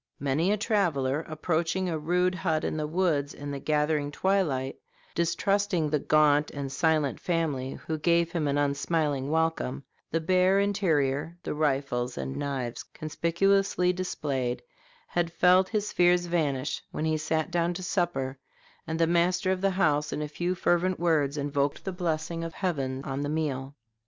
Many a traveler, approaching a rude hut in the woods in the gathering twilight, distrusting the gaunt and silent family who gave him an unsmiling welcome, the bare interior, the rifles and knives conspicuously displayed, has felt his fears vanish when he sat down to supper, and the master of the house, in a few fervent words, invoked the blessing of heaven on the meal.